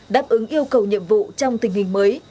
đáp ứng yêu cầu nhiệm vụ trong tình hình mới